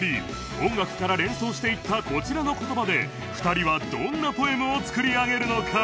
音楽から連想していったこちらの言葉で２人はどんなポエムを作り上げるのか